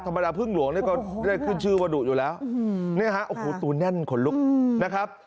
บรรดาพึ่งหลวงนี่ก็ได้ขึ้นชื่อว่าดุอยู่แล้วเนี่ยฮะโอ้โหตัวแน่นขนลุกนะครับ